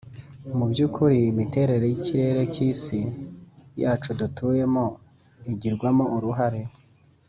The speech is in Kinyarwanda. mu by'ukuri, imiterere y'ikirere k'isi yacu dutuyemo, igirwamo uruhare